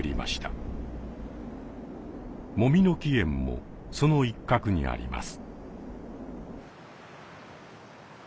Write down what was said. もみの木苑もその一角にあります。